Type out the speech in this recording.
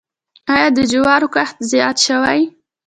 آیا د جوارو کښت زیات شوی؟